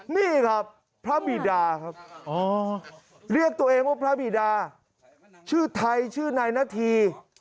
นี่ครับพระบิดาครับเรียกตัวเองว่าพระบีดาชื่อไทยชื่อนายนาธี